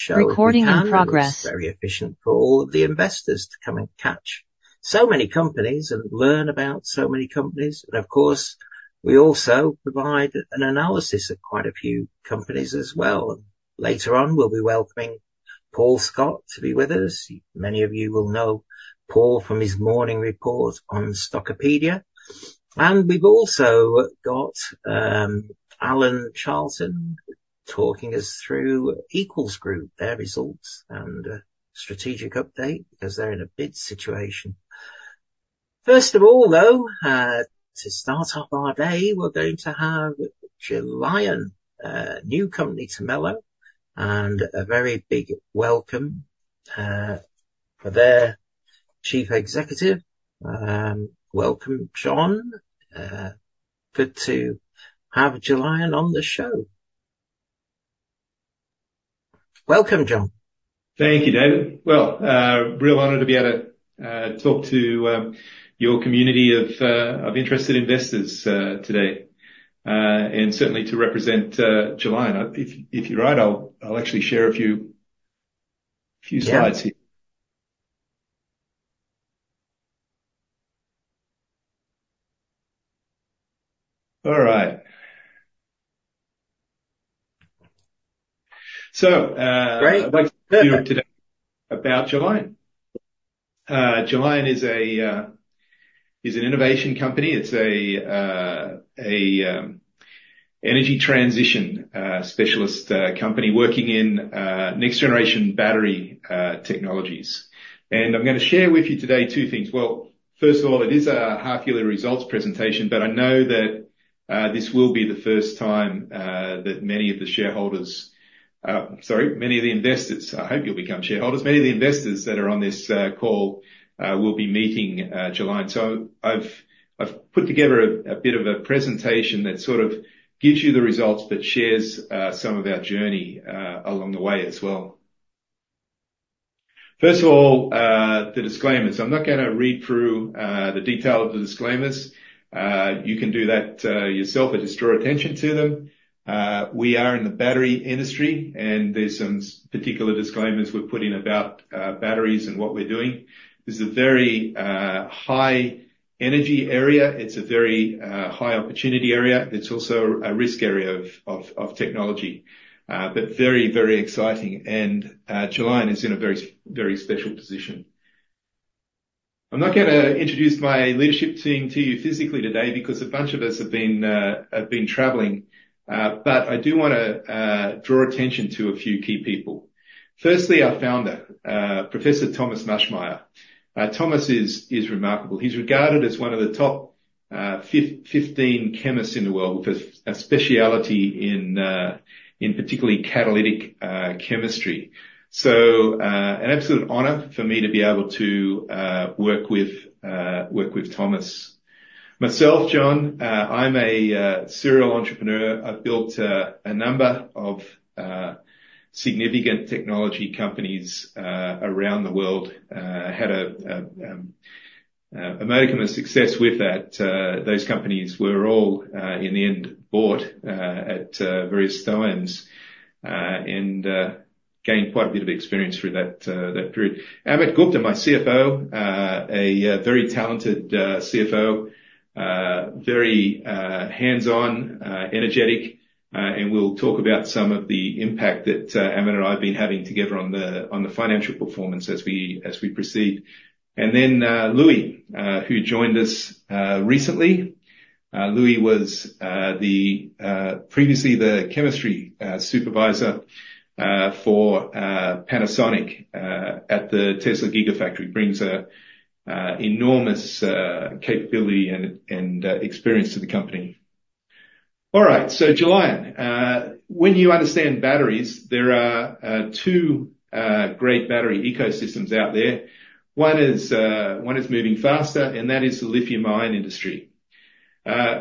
show we can handle this very efficiently for all of the investors to come and catch so many companies and learn about so many companies. Of course, we also provide an analysis of quite a few companies as well. Later on, we'll be welcoming Paul Scott to be with us. Many of you will know Paul from his morning report on Stockopedia. We've also got Alan Charlton talking us through Equals Group, their results and strategic update, because they're in a bid situation. First of all, though, to start off our day, we're going to have Gelion, new company to the show, and a very big welcome for their Chief Executive. Welcome, John. Good to have Gelion on the show. Welcome, John. Thank you, David. Well, real honored to be able to talk to your community of interested investors today, and certainly to represent Gelion. If you're right, I'll actually share a few slides here. Yeah. All right. So, Great. About Gelion. Gelion is an innovation company. It's a energy transition specialist company working in next-generation battery technologies. I'm gonna share with you today two things: Well, first of all, it is a half yearly results presentation, but I know that this will be the first time that many of the shareholders, sorry, many of the investors. I hope you'll become shareholders. Many of the investors that are on this call will be meeting Gelion. So I've put together a bit of a presentation that sort of gives you the results, but shares some of our journey along the way as well. First of all, the disclaimers. I'm not gonna read through the detail of the disclaimers. You can do that yourself, but just draw attention to them. We are in the battery industry, and there's some particular disclaimers we've put in about batteries and what we're doing. This is a very high energy area. It's a very high opportunity area. It's also a risk area of technology, but very, very exciting. Gelion is in a very, very special position. I'm not gonna introduce my leadership team to you physically today because a bunch of us have been traveling. But I do wanna draw attention to a few key people. Firstly, our founder, Professor Thomas Maschmeyer. Thomas is remarkable. He's regarded as one of the top 15 chemists in the world, with a specialty in particularly catalytic chemistry. So, an absolute honor for me to be able to work with Thomas. Myself, John, I'm a serial entrepreneur. I've built a number of significant technology companies around the world. Had a measure of success with that. Those companies were all in the end bought at various times and gained quite a bit of experience through that period. Amit Gupta, my CFO, a very talented CFO, very hands-on, energetic, and we'll talk about some of the impact that Amit and I have been having together on the financial performance as we proceed. And then, Louis, who joined us recently. Louis was previously the chemistry supervisor for Panasonic at the Tesla Gigafactory. Brings an enormous capability and experience to the company. All right, so Gelion, when you understand batteries, there are two great battery ecosystems out there. One is moving faster, and that is the lithium ion industry.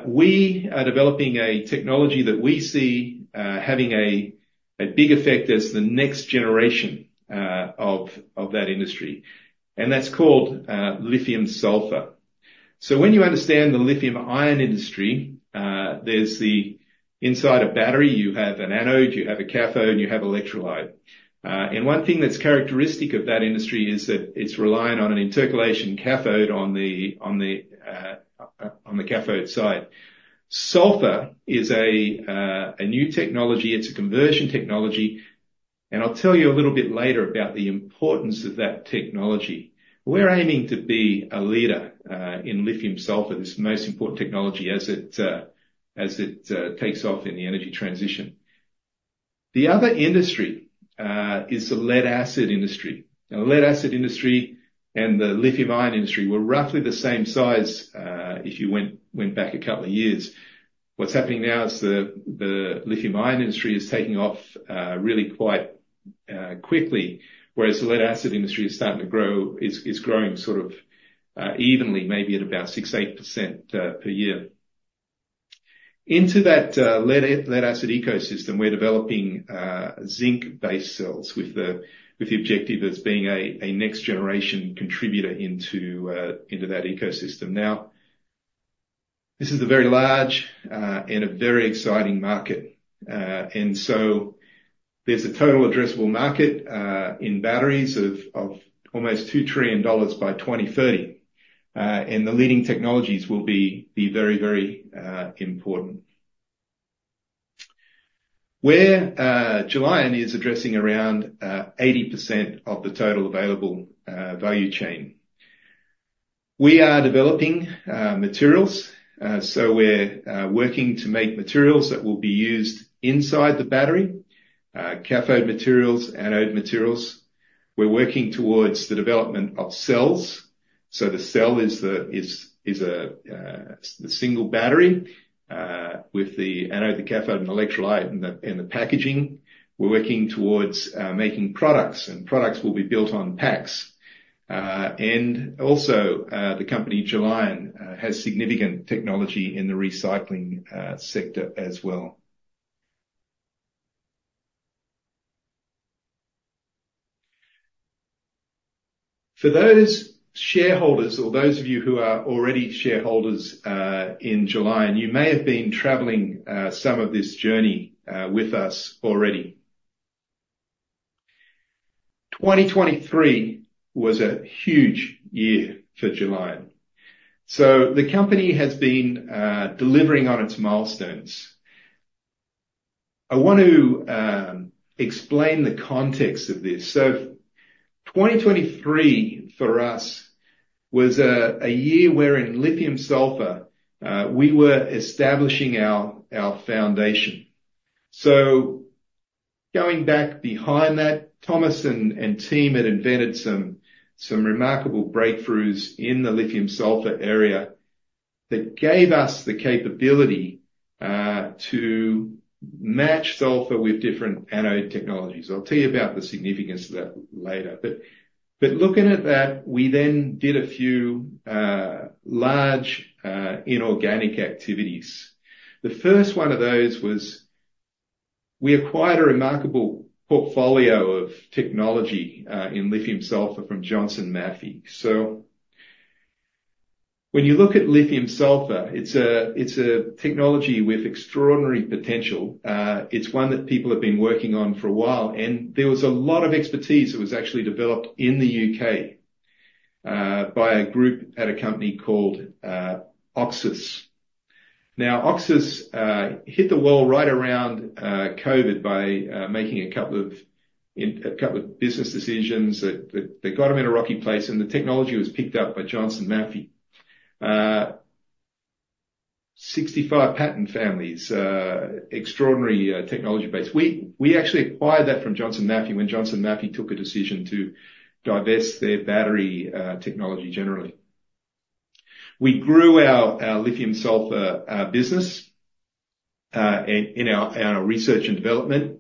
We are developing a technology that we see having a big effect as the next generation of that industry, and that's called lithium sulfur. So when you understand the lithium ion industry, there's the inside a battery, you have an anode, you have a cathode, and you have electrolyte. And one thing that's characteristic of that industry is that it's relying on an intercalation cathode on the cathode side. Sulfur is a new technology. It's a conversion technology, and I'll tell you a little bit later about the importance of that technology. We're aiming to be a leader in lithium-sulfur, this most important technology as it takes off in the energy transition. The other industry is the lead-acid industry. Now, the lead-acid industry and the lithium-ion industry were roughly the same size if you went back a couple of years. What's happening now is the lithium-ion industry is taking off really quite quickly, whereas the lead-acid industry is starting to grow... It's growing sort of evenly, maybe at about 6%-8% per year. Into that, lead-acid ecosystem, we're developing, zinc-based cells with the objective as being a next-generation contributor into, into that ecosystem. This is a very large, and a very exciting market. And so there's a total addressable market, in batteries of almost $2 trillion by 2030. And the leading technologies will be very, very important. Where Gelion is addressing around 80% of the total available value chain. We are developing materials, so we're working to make materials that will be used inside the battery, cathode materials, anode materials. We're working towards the development of cells. So the cell is the single battery, with the anode, the cathode, and electrolyte, and the packaging. We're working towards making products, and products will be built on packs. Also, the company, Gelion, has significant technology in the recycling sector as well. For those shareholders or those of you who are already shareholders in Gelion, you may have been traveling some of this journey with us already. 2023 was a huge year for Gelion. So the company has been delivering on its milestones. I want to explain the context of this. So 2023, for us, was a year where in lithium sulfur we were establishing our foundation. So going back behind that, Thomas and team had invented some remarkable breakthroughs in the lithium sulfur area that gave us the capability to match sulfur with different anode technologies. I'll tell you about the significance of that later. But looking at that, we then did a few large inorganic activities. The first one of those was we acquired a remarkable portfolio of technology in lithium sulfur from Johnson Matthey. So when you look at lithium sulfur, it's a technology with extraordinary potential. It's one that people have been working on for a while, and there was a lot of expertise that was actually developed in the U.K. by a group at a company called OXIS. Now, OXIS hit the wall right around COVID by making a couple of business decisions that got them in a rocky place, and the technology was picked up by Johnson Matthey. 65 patent families, extraordinary technology base. We actually acquired that from Johnson Matthey when Johnson Matthey took a decision to divest their battery technology generally. We grew our lithium sulfur business in our research and development,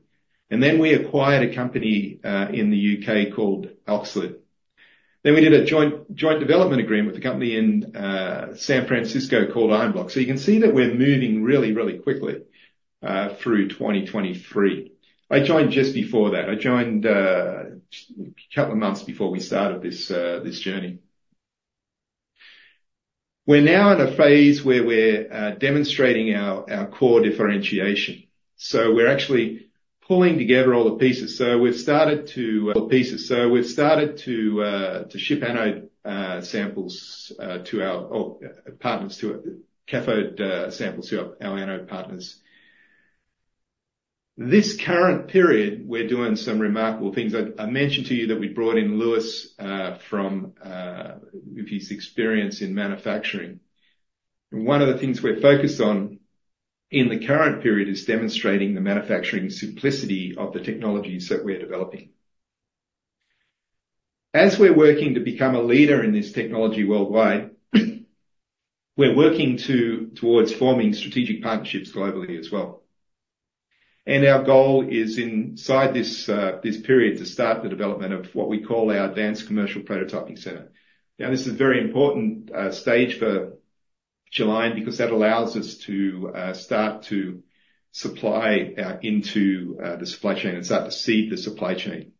and then we acquired a company in the U.K. called OXLiD. Then we did a joint development agreement with a company in San Francisco called Ionblox. So you can see that we're moving really, really quickly through 2023. I joined just before that. I joined a couple of months before we started this journey. We're now in a phase where we're demonstrating our core differentiation, so we're actually pulling together all the pieces. So we've started to ship anode samples to our partners or cathode samples to our anode partners. This current period, we're doing some remarkable things. I, I mentioned to you that we brought in Louis from with his experience in manufacturing. One of the things we're focused on in the current period is demonstrating the manufacturing simplicity of the technologies that we're developing. As we're working to become a leader in this technology worldwide, we're working towards forming strategic partnerships globally as well. Our goal is inside this this period, to start the development of what we call our Advanced Commercial Prototyping Center. Now, this is a very important stage for Gelion, because that allows us to start to supply into the supply chain and start to seed the supply chain.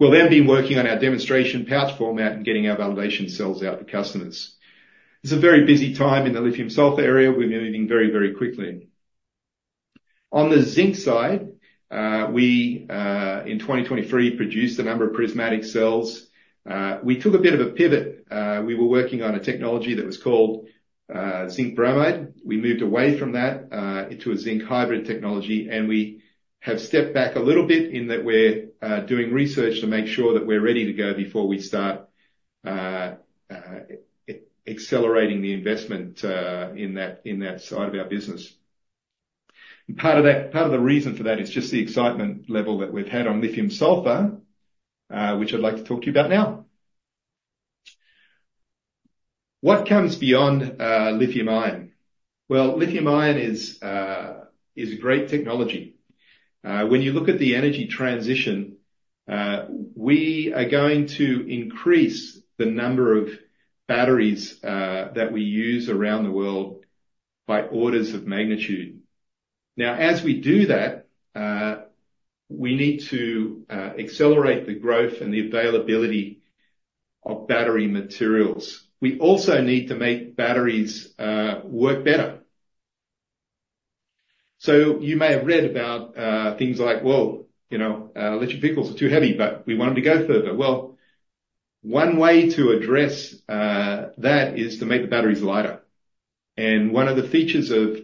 We'll then be working on our demonstration pouch format and getting our validation cells out to customers. It's a very busy time in the lithium sulfur area. We're moving very, very quickly. On the zinc side, we, in 2023, produced a number of prismatic cells. We took a bit of a pivot. We were working on a technology that was called zinc bromide. We moved away from that into a zinc hybrid technology, and we have stepped back a little bit in that we're doing research to make sure that we're ready to go before we start accelerating the investment in that side of our business. And part of that, part of the reason for that is just the excitement level that we've had on lithium sulfur, which I'd like to talk to you about now. What comes beyond lithium ion? Well, lithium ion is a great technology. When you look at the energy transition, we are going to increase the number of batteries that we use around the world by orders of magnitude. Now, as we do that, we need to accelerate the growth and the availability of battery materials. We also need to make batteries work better. So you may have read about things like, well, you know, electric vehicles are too heavy, but we want them to go further. Well, one way to address that is to make the batteries lighter. And one of the features of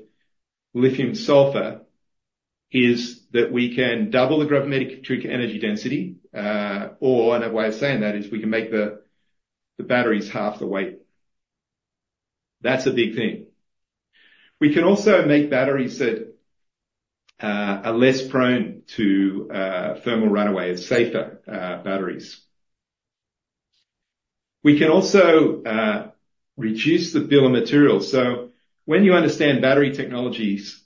lithium sulfur is that we can double the gravimetric energy density, or another way of saying that is, we can make the, the batteries half the weight. That's a big thing. We can also make batteries that are less prone to thermal runaway and safer batteries. We can also reduce the bill of materials. So when you understand battery technologies,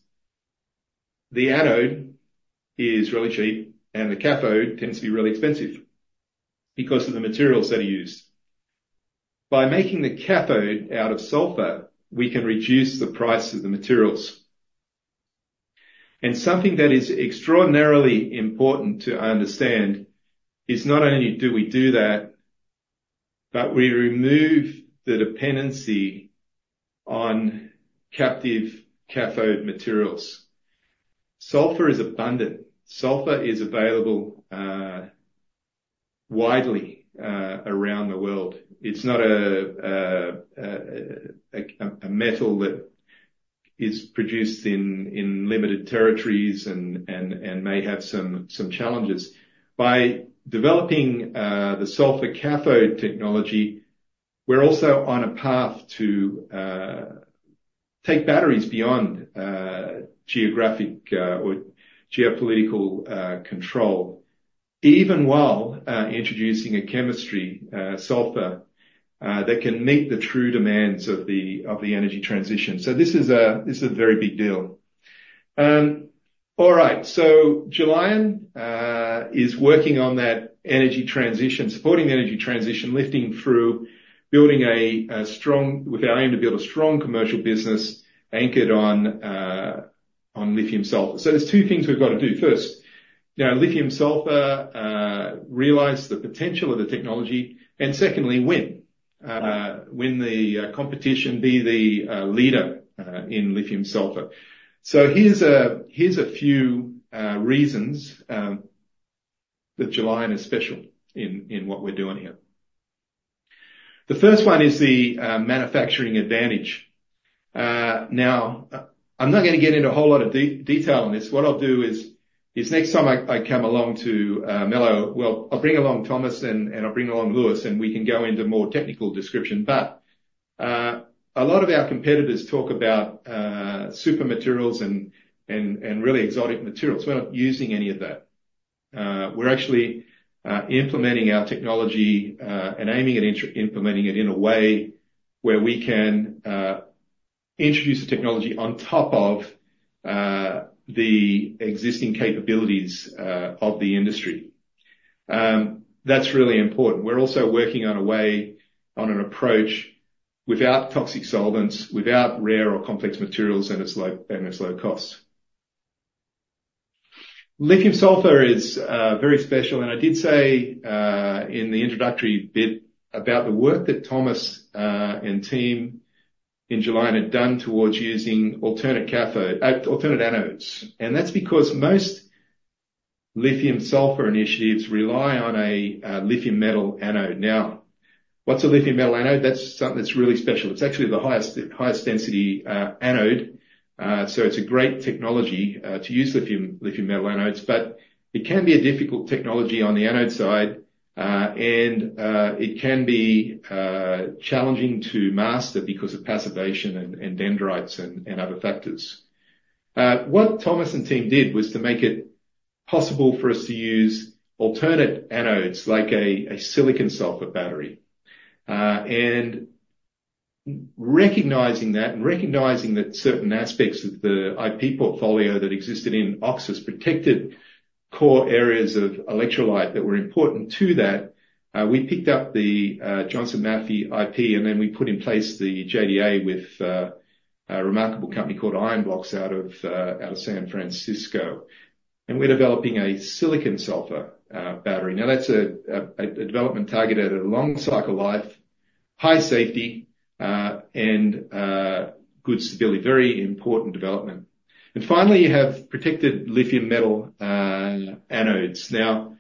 the anode is really cheap and the cathode tends to be really expensive because of the materials that are used. By making the cathode out of sulfur, we can reduce the price of the materials. And something that is extraordinarily important to understand is not only do we do that, but we remove the dependency on captive cathode materials. Sulfur is abundant. Sulfur is available widely around the world. It's not a metal that is produced in limited territories and may have some challenges. By developing the sulfur cathode technology, we're also on a path to take batteries beyond geographic or geopolitical control, even while introducing a chemistry sulfur that can meet the true demands of the energy transition. So this is a very big deal. All right. So Gelion is working on that energy transition, supporting the energy transition, lifting through, building a strong with our aim to build a strong commercial business anchored on on lithium sulfur. So there's 2 things we've got to do. First, now, lithium sulfur realize the potential of the technology, and secondly, win. Win the competition, be the leader in lithium sulfur. So here's a few reasons that Gelion is special in in what we're doing here. The first one is the manufacturing advantage. Now, I'm not gonna get into a whole lot of detail on this. What I'll do is next time I come along to Melbourne, well, I'll bring along Thomas and I'll bring along Louis, and we can go into more technical description. But a lot of our competitors talk about super materials and really exotic materials. We're not using any of that. We're actually implementing our technology and aiming at implementing it in a way where we can introduce the technology on top of the existing capabilities of the industry. That's really important. We're also working on a way, on an approach without toxic solvents, without rare or complex materials, and it's low, and it's low cost. Lithium sulfur is very special, and I did say in the introductory bit about the work that Thomas and team in Gelion had done towards using alternate cathode, alternate anodes. That's because most lithium sulfur initiatives rely on a lithium metal anode. Now, what's a lithium metal anode? That's something that's really special. It's actually the highest density anode, so it's a great technology to use lithium metal anodes, but it can be a difficult technology on the anode side. And it can be challenging to master because of passivation and dendrites and other factors. What Thomas and team did was to make it possible for us to use alternate anodes, like a silicon sulfur battery. And recognizing that certain aspects of the IP portfolio that existed in OXIS protected core areas of electrolyte that were important to that, we picked up the Johnson Matthey IP, and then we put in place the JDA with a remarkable company called Ionblox, out of San Francisco. And we're developing a silicon sulfur battery. Now that's a development targeted at a long cycle life, high safety, and good stability. Very important development. And finally, you have protected lithium metal anodes. Now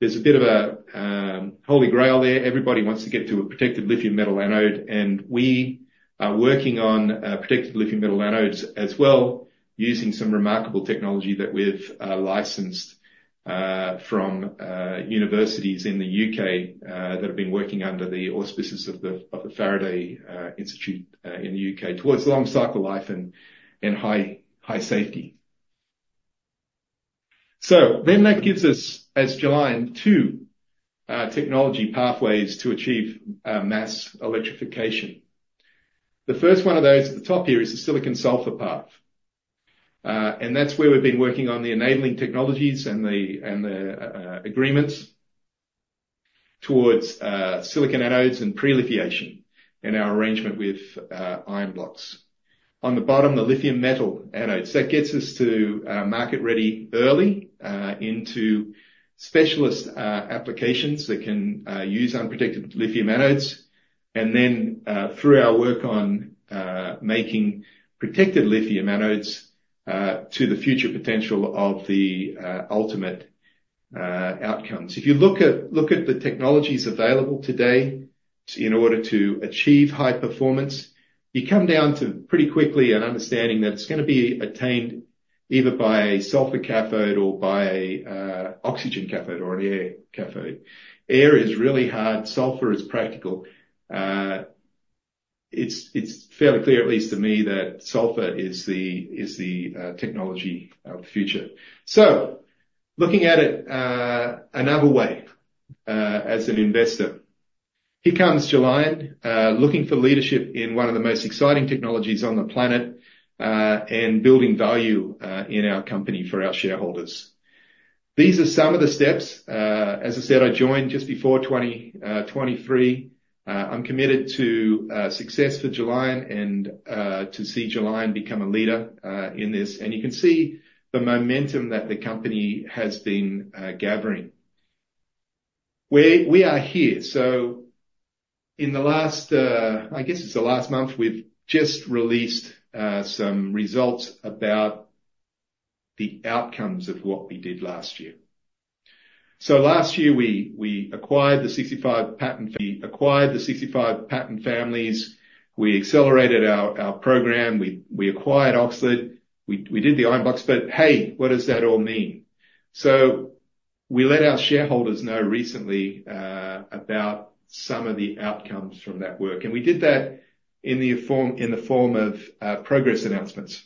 there's a bit of a Holy Grail there. Everybody wants to get to a protected lithium metal anode, and we are working on protected lithium metal anodes as well, using some remarkable technology that we've licensed from universities in the U.K. that have been working under the auspices of the Faraday Institution in the U.K. towards long cycle life and high safety. So then that gives us, as Gelion, two technology pathways to achieve mass electrification. The first one of those at the top here is the silicon sulfur path, and that's where we've been working on the enabling technologies and the agreements towards silicon anodes and pre-lithiation in our arrangement with Ionblox. On the bottom, the lithium metal anodes, that gets us to market ready early into specialist applications that can use unprotected lithium anodes. And then, through our work on making protected lithium anodes, to the future potential of the ultimate outcomes. If you look at the technologies available today, so in order to achieve high performance, you come down to pretty quickly an understanding that it's gonna be attained either by a sulfur cathode or by a oxygen cathode, or an air cathode. Air is really hard, sulfur is practical. It's fairly clear, at least to me, that sulfur is the technology of the future. So looking at it another way as an investor. Here comes Gelion, looking for leadership in one of the most exciting technologies on the planet, and building value in our company for our shareholders. These are some of the steps. As I said, I joined just before 2023. I'm committed to success for Gelion and to see Gelion become a leader in this. And you can see the momentum that the company has been gathering. We are here, so in the last, I guess it's the last month, we've just released some results about the outcomes of what we did last year. So last year, we acquired the 65 patent families. We accelerated our program. We acquired OXLiD. We did the Ionblox. But, hey, what does that all mean? So we let our shareholders know recently about some of the outcomes from that work, and we did that in the form of progress announcements.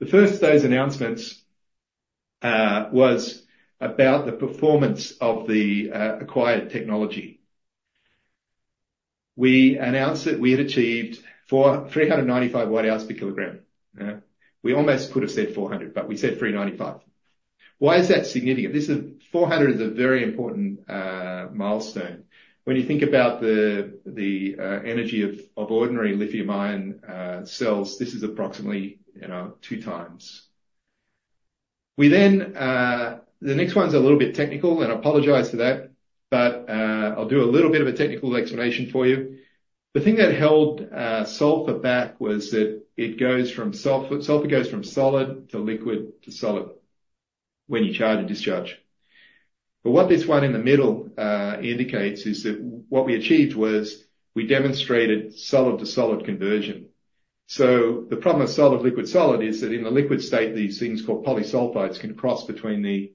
The first of those announcements was about the performance of the acquired technology. We announced that we had achieved 395 watt hours per kilogram. We almost could have said 400, but we said 395. Why is that significant? This is... 400 is a very important milestone. When you think about the energy of ordinary lithium-ion cells, this is approximately, you know, two times. We then... The next one's a little bit technical, and I apologize for that, but I'll do a little bit of a technical explanation for you. The thing that held sulfur back was that it goes from sulfur goes from solid to liquid to solid when you charge and discharge. But what this one in the middle indicates is that what we achieved was, we demonstrated solid to solid conversion. So the problem with solid, liquid, solid is that in the liquid state, these things called polysulfides can cross between the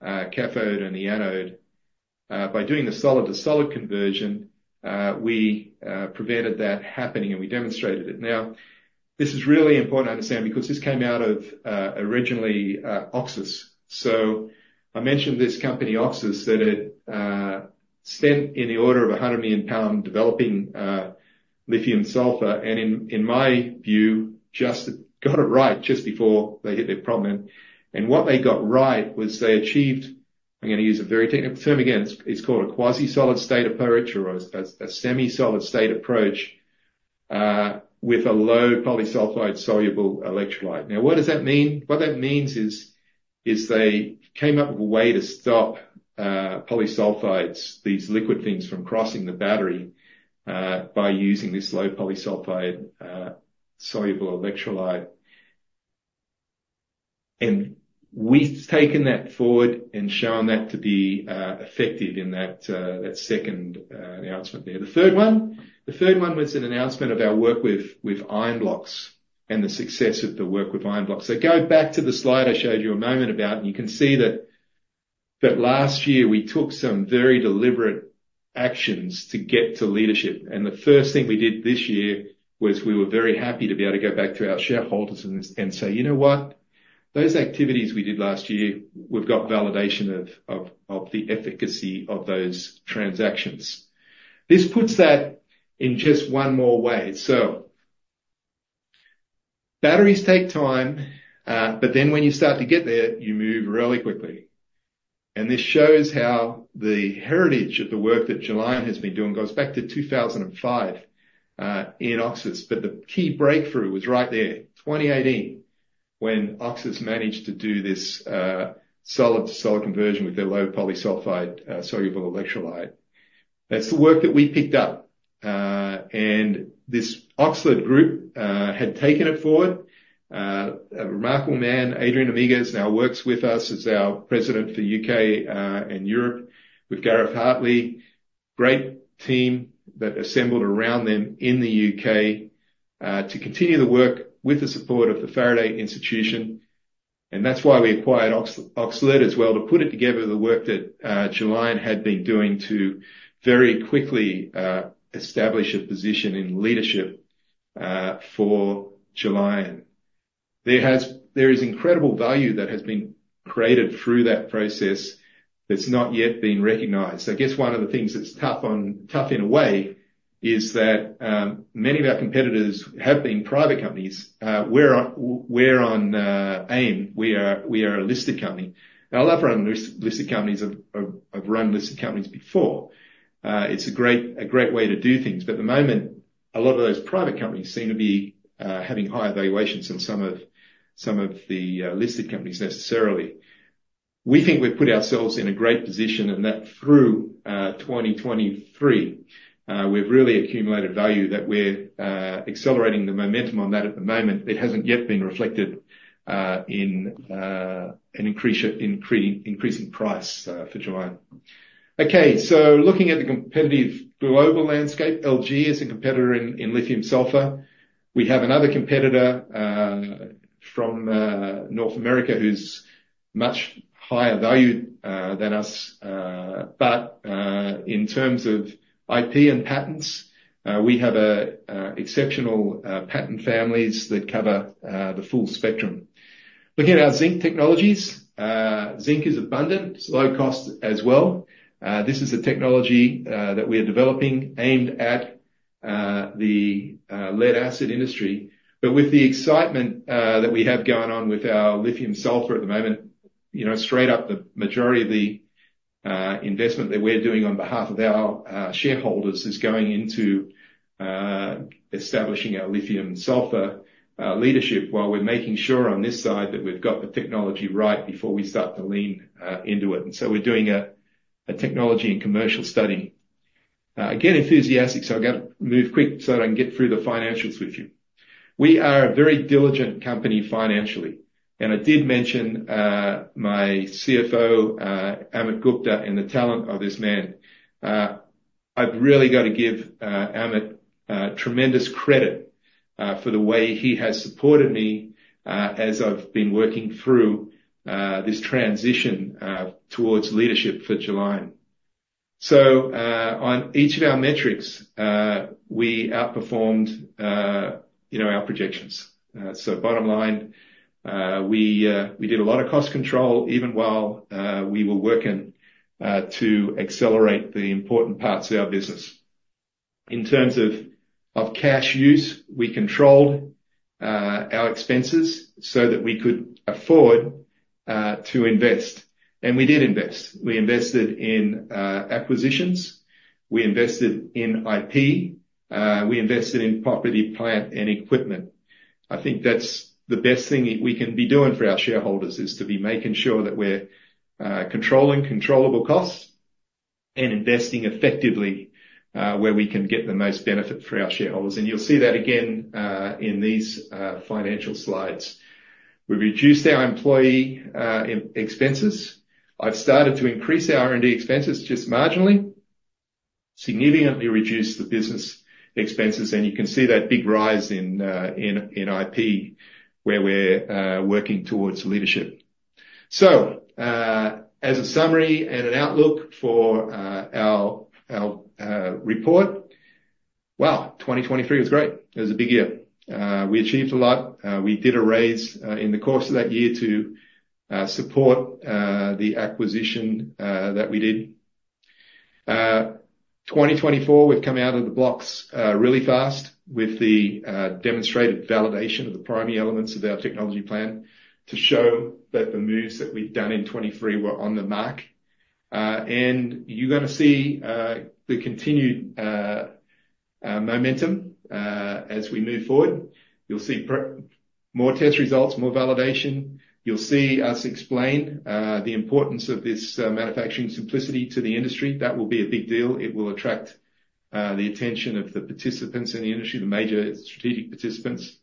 cathode and the anode. By doing the solid-to-solid conversion, we prevented that happening, and we demonstrated it. Now, this is really important to understand, because this came out of originally OXIS. So I mentioned this company, OXIS, that had spent in the order of 100 million pound developing lithium sulfur, and in my view, just got it right just before they hit their problem. What they got right was they achieved, I'm gonna use a very technical term again, it's called a quasi-solid state approach, or a semi-solid state approach, with a low polysulfide soluble electrolyte. Now, what does that mean? What that means is they came up with a way to stop polysulfides, these liquid things, from crossing the battery by using this low polysulfide soluble electrolyte. And we've taken that forward and shown that to be effective in that second announcement there. The third one was an announcement of our work with Ionblox and the success of the work with Ionblox. So go back to the slide I showed you a moment ago, and you can see that last year we took some very deliberate actions to get to leadership, and the first thing we did this year was we were very happy to be able to go back to our shareholders and say, "You know what? Those activities we did last year, we've got validation of the efficacy of those transactions." This puts that in just one more way. So batteries take time, but then when you start to get there, you move really quickly. And this shows how the heritage of the work that Gelion has been doing goes back to 2005 in OXIS. But the key breakthrough was right there, 2018, when OXIS managed to do this solid-to-solid conversion with their low polysulfide soluble electrolyte. That's the work that we picked up, and this OXLiD group had taken it forward. A remarkable man, Adrien Amigues, now works with us as our President for U.K. and Europe, with Gareth Hartley. Great team that assembled around them in the U.K. to continue the work with the support of the Faraday Institution, and that's why we acquired OXLiD as well, to put it together with the work that Gelion had been doing to very quickly establish a position in leadership for Gelion. There is incredible value that has been created through that process that's not yet been recognized. I guess one of the things that's tough in a way is that many of our competitors have been private companies. We're on AIM. We are a listed company. Now, I love running listed companies. I've run listed companies before. It's a great way to do things, but at the moment, a lot of those private companies seem to be having higher valuations than some of the listed companies necessarily. We think we've put ourselves in a great position, and that through 2023, we've really accumulated value, that we're accelerating the momentum on that at the moment. It hasn't yet been reflected in an increase in share price for Gelion. Okay, so looking at the competitive global landscape, LG is a competitor in lithium sulfur. We have another competitor from North America, who's much higher valued than us. But in terms of IP and patents, we have an exceptional patent families that cover the full spectrum. Looking at our zinc technologies, zinc is abundant, it's low cost as well. This is a technology that we are developing aimed at the lead acid industry. But with the excitement that we have going on with our lithium sulfur at the moment, you know, straight up, the majority of the investment that we're doing on behalf of our shareholders is going into establishing our lithium sulfur leadership, while we're making sure on this side that we've got the technology right before we start to lean into it. And so we're doing a technology and commercial study. Again, enthusiastic, so I've got to move quick so that I can get through the financials with you. We are a very diligent company financially, and I did mention my CFO, Amit Gupta, and the talent of this man. I've really got to give Amit tremendous credit for the way he has supported me as I've been working through this transition towards leadership for Gelion. So, on each of our metrics, we outperformed, you know, our projections. So bottom line, we did a lot of cost control even while we were working to accelerate the important parts of our business. In terms of cash use, we controlled our expenses so that we could afford to invest. And we did invest. We invested in acquisitions, we invested in IP, we invested in property, plant, and equipment. I think that's the best thing we can be doing for our shareholders, is to be making sure that we're controlling controllable costs and investing effectively, where we can get the most benefit for our shareholders. You'll see that again in these financial slides. We've reduced our employee expenses. I've started to increase our R&D expenses just marginally, significantly reduced the business expenses, and you can see that big rise in IP, where we're working towards leadership. As a summary and an outlook for our report, wow! 2023 was great. It was a big year. We achieved a lot. We did a raise in the course of that year to support the acquisition that we did. 2024, we've come out of the blocks really fast, with the demonstrated validation of the primary elements of our technology plan, to show that the moves that we've done in 2023 were on the mark. And you're gonna see the continued momentum as we move forward. You'll see more test results, more validation. You'll see us explain the importance of this manufacturing simplicity to the industry. That will be a big deal. It will attract the attention of the participants in the industry, the major strategic participants.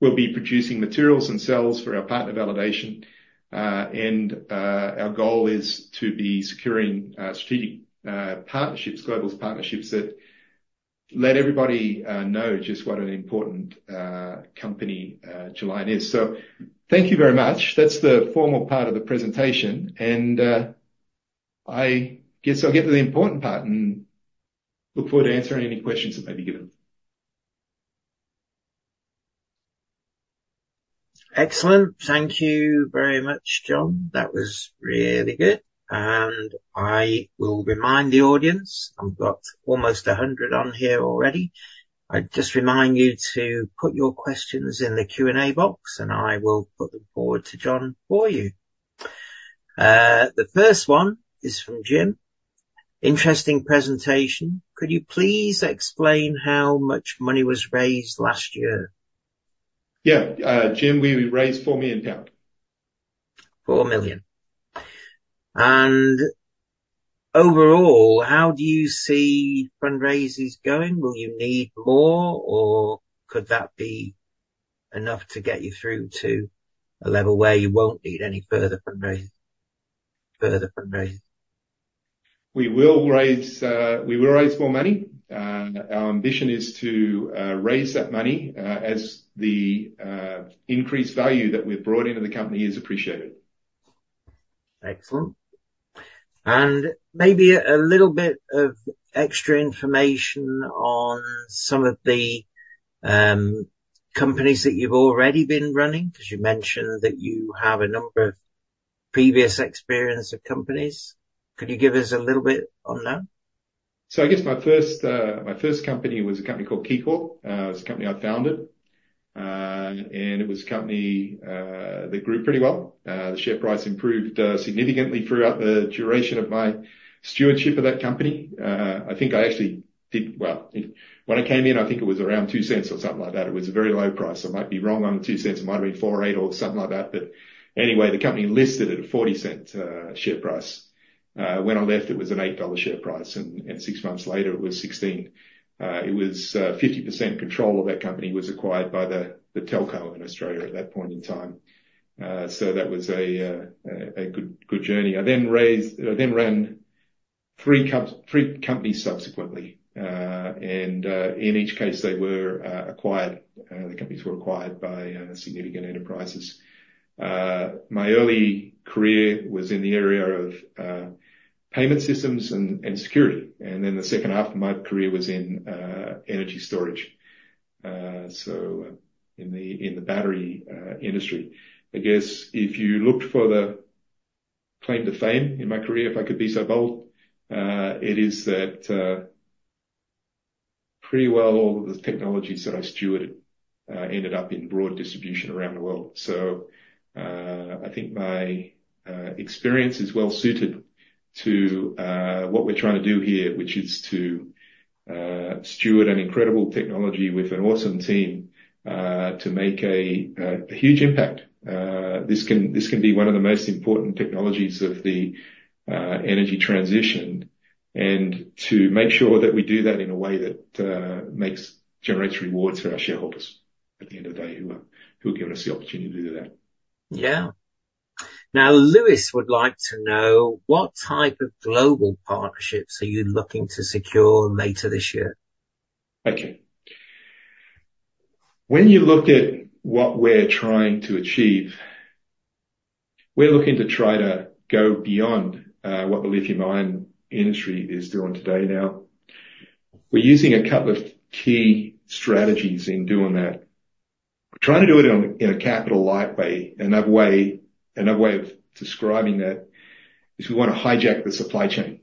We'll be producing materials and cells for our partner validation, and our goal is to be securing strategic partnerships, global partnerships, that let everybody know just what an important company Gelion is. So thank you very much. That's the formal part of the presentation, and, I guess I'll get to the important part and look forward to answering any questions that may be given. Excellent. Thank you very much, John. That was really good. And I will remind the audience, I've got almost 100 on here already. I'd just remind you to put your questions in the Q&A box, and I will put them forward to John for you. The first one is from Jim: Interesting presentation. Could you please explain how much money was raised last year? Yeah, Jim, we raised 4 million pounds. 4 million. Overall, how do you see fundraisers going? Will you need more, or could that be enough to get you through to a level where you won't need any further further fundraise? We will raise we will raise more money. Our ambition is to raise that money as the increased value that we've brought into the company is appreciated. Excellent. And maybe a little bit of extra information on some of the companies that you've already been running, 'cause you mentioned that you have a number of previous experience of companies? Could you give us a little bit on that? So I guess my first company was a company called Keycorp. It was a company I founded, and it was a company that grew pretty well. The share price improved significantly throughout the duration of my stewardship of that company. I think I actually did... Well, when I came in, I think it was around 0.02 or something like that. It was a very low price. I might be wrong on the 0.02, it might have been 0.04, 0.08 or something like that, but anyway, the company listed at a 0.40 share price. When I left, it was an 8 dollar share price, and six months later it was 16. It was 50% control of that company was acquired by the telco in Australia at that point in time. So that was a good journey. I then ran three companies subsequently. And in each case, they were acquired, the companies were acquired by significant enterprises. My early career was in the area of payment systems and security, and then the second half of my career was in energy storage, so in the battery industry. I guess if you looked for the claim to fame in my career, if I could be so bold, it is that, pretty well, all the technologies that I stewarded ended up in broad distribution around the world. So, I think my experience is well suited to what we're trying to do here, which is to steward an incredible technology with an awesome team to make a huge impact. This can be one of the most important technologies of the energy transition, and to make sure that we do that in a way that makes... generates rewards for our shareholders at the end of the day, who have given us the opportunity to do that. Yeah. Now, Louis would like to know: What type of global partnerships are you looking to secure later this year? Okay. When you look at what we're trying to achieve, we're looking to try to go beyond what the lithium ion industry is doing today now. We're using a couple of key strategies in doing that. We're trying to do it on, in a capital light way. Another way, another way of describing that is we want to hijack the supply chain.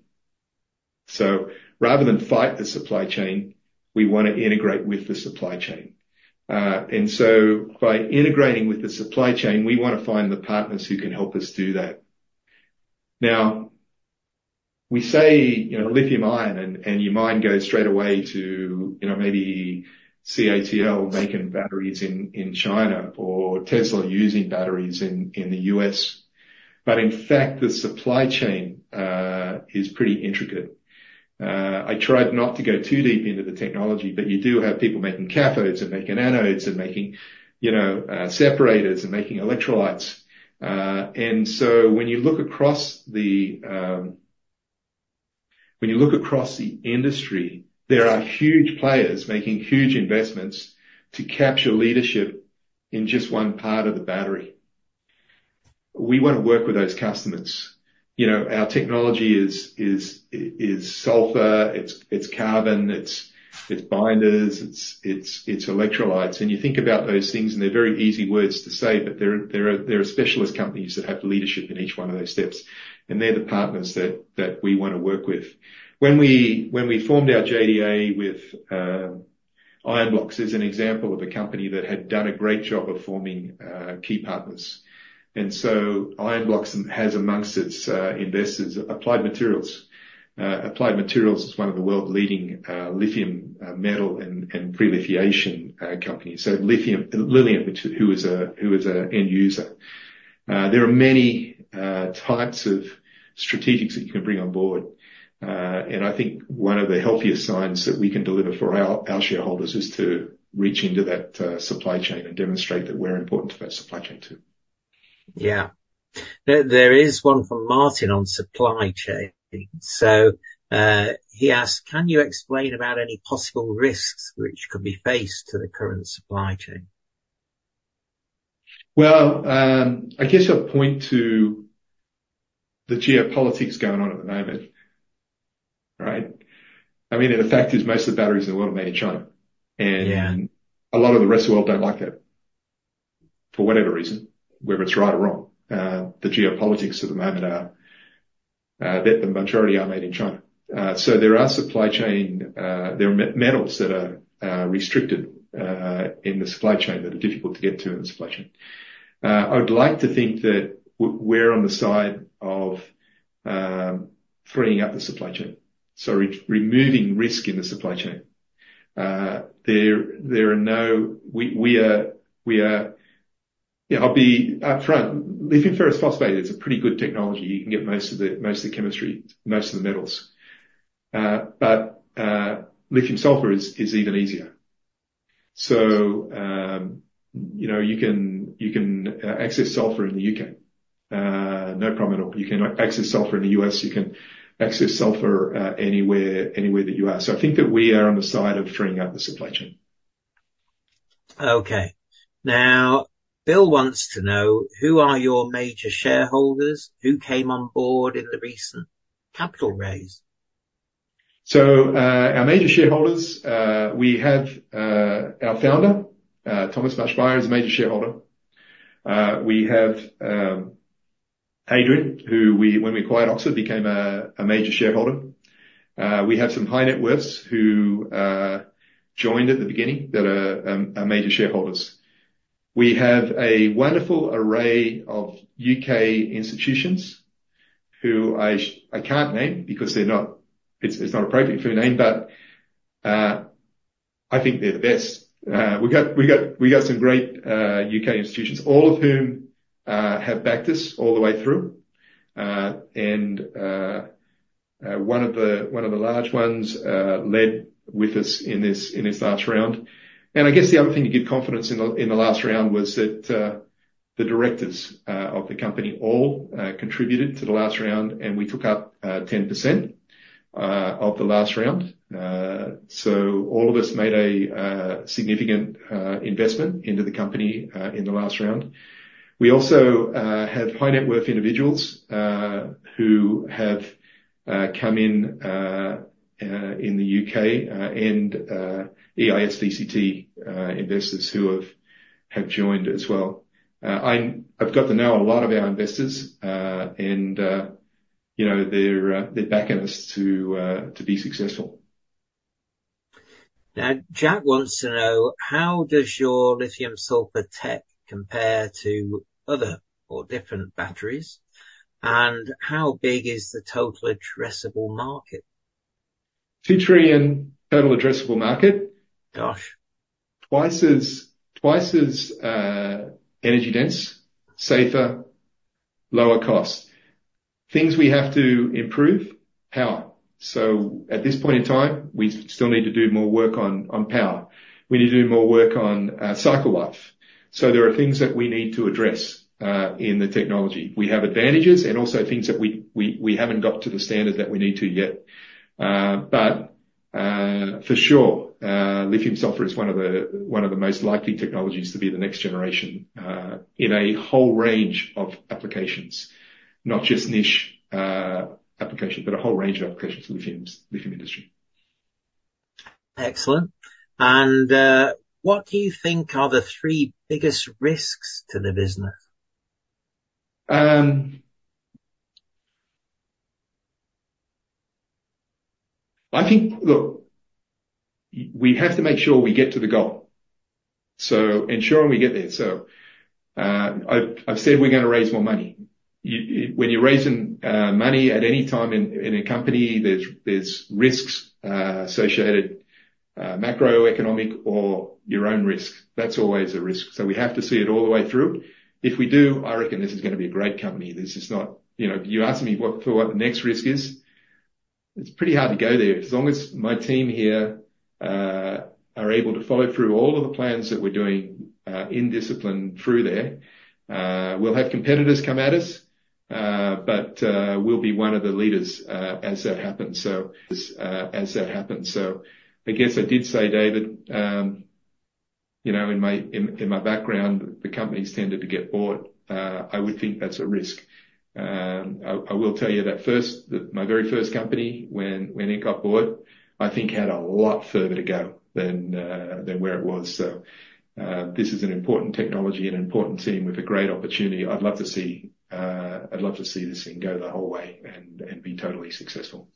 So rather than fight the supply chain, we want to integrate with the supply chain. And so by integrating with the supply chain, we wanna find the partners who can help us do that. Now, we say, you know, lithium ion, and, and your mind goes straight away to, you know, maybe CATL making batteries in China or Tesla using batteries in the U.S. But in fact, the supply chain is pretty intricate. I tried not to go too deep into the technology, but you do have people making cathodes and making anodes and making, you know, separators and making electrolytes. And so when you look across the industry, there are huge players making huge investments to capture leadership in just one part of the battery. We want to work with those customers. You know, our technology is sulfur, it's carbon, it's electrolytes. And you think about those things, and they're very easy words to say, but there are specialist companies that have leadership in each one of those steps, and they're the partners that we want to work with. When we formed our JDA with Ionblox, as an example of a company that had done a great job of forming key partners. And so Ionblox has amongst its investors, Applied Materials. Applied Materials is one of the world's leading lithium metal and pre-lithiation companies. So, Lilium, who is an end user. There are many types of strategics that you can bring on board. And I think one of the healthiest signs that we can deliver for our shareholders is to reach into that supply chain and demonstrate that we're important to that supply chain, too. Yeah. There is one from Martin on supply chain. So, he asked: Can you explain about any possible risks which could be faced to the current supply chain? Well, I guess I'll point to the geopolitics going on at the moment, right? I mean, the fact is, most of the batteries in the world are made in China. Yeah. A lot of the rest of the world don't like that, for whatever reason, whether it's right or wrong. The geopolitics at the moment are that the majority are made in China. So there are supply chain, there are metals that are restricted in the supply chain, that are difficult to get to in the supply chain. I would like to think that we're on the side of freeing up the supply chain, so removing risk in the supply chain. There, there are no... We, we are, we are... Yeah, I'll be up front. Lithium ferrous phosphate is a pretty good technology. You can get most of the, most of the chemistry, most of the metals. But lithium sulfur is even easier. So, you know, you can access sulfur in the U.K. no problem at all. You can access sulfur in the U.S., you can access sulfur anywhere, anywhere that you are. So I think that we are on the side of freeing up the supply chain. Okay. Now, Bill wants to know: Who are your major shareholders? Who came on board in the recent capital raise?... So, our major shareholders, we have, our founder, Thomas Maschmeyer, is a major shareholder. We have, Adrien, who we, when we acquired OxLiD, became a, a major shareholder. We have some high net worths who, joined at the beginning that are, are major shareholders. We have a wonderful array of U.K. institutions who I sh- I can't name because they're not-- it's, it's not appropriate for me to name, but, I think they're the best. We got, we got, we got some great, U.K. institutions, all of whom, have backed us all the way through. And, one of the, one of the large ones, led with us in this, in this last round. And I guess the other thing to give confidence in the last round was that the directors of the company all contributed to the last round, and we took up 10% of the last round. So all of us made a significant investment into the company in the last round. We also have high net worth individuals who have come in in the U.K. and EIS/SEIS investors who have joined as well. I've got to know a lot of our investors, and you know, they're backing us to be successful. Now, Jack wants to know: how does your lithium sulfur tech compare to other or different batteries? And how big is the total addressable market? $2 trillion total addressable market. Gosh! Twice as energy dense, safer, lower cost. Things we have to improve? Power. So at this point in time, we still need to do more work on power. We need to do more work on cycle life. So there are things that we need to address in the technology. We have advantages and also things that we haven't got to the standard that we need to yet. But for sure, lithium sulfur is one of the most likely technologies to be the next generation in a whole range of applications. Not just niche applications, but a whole range of applications for the lithium industry. Excellent. And, what do you think are the three biggest risks to the business? Look, we have to make sure we get to the goal, so ensuring we get there. So, I've said we're gonna raise more money. You, when you're raising money at any time in a company, there's risks associated, macroeconomic or your own risk. That's always a risk, so we have to see it all the way through. If we do, I reckon this is gonna be a great company. This is not... You know, you ask me for what the next risk is, it's pretty hard to go there. As long as my team here are able to follow through all of the plans that we're doing in discipline through there, we'll have competitors come at us, but we'll be one of the leaders as that happens. So, as that happens. So I guess I did say, David, you know, in my background, the companies tended to get bought. I will tell you that first, that my very first company, when it got bought, I think had a lot further to go than where it was. So this is an important technology and an important team with a great opportunity. I'd love to see this thing go the whole way and be totally successful.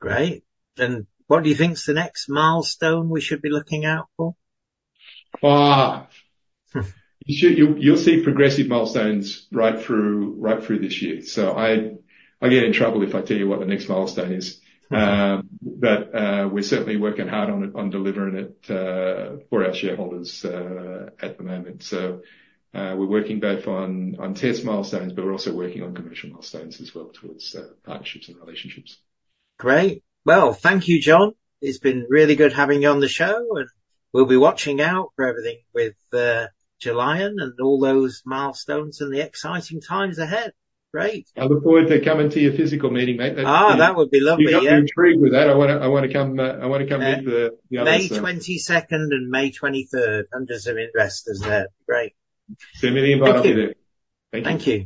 Great! Then, what do you think is the next milestone we should be looking out for? You should, you'll, you'll see progressive milestones right through, right through this year. So I'll get in trouble if I tell you what the next milestone is. But we're certainly working hard on it, on delivering it, for our shareholders, at the moment. So we're working both on, on tier milestones, but we're also working on commercial milestones as well, towards partnerships and relationships. Great. Well, thank you, John. It's been really good having you on the show, and we'll be watching out for everything with Gelion and all those milestones and the exciting times ahead. Great. I look forward to coming to your physical meeting, mate. Ah, that would be lovely. Yeah.... If you're intrigued with that, I wanna come into the other side. May 22nd and May 23rd, and there's some investors there. Great. Send me the invite. Thank you. Thank you.